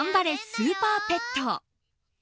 スーパーペット」。